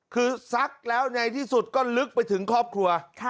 คือซักแล้วในที่สุดก็ลึกไปถึงครอบครัว